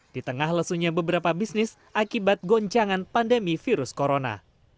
di tengah lesunya beberapa bisnis akibat goncangan pandemi virus corona